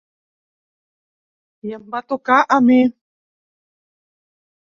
I em va tocar a mi.